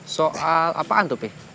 soal apaan tuh peh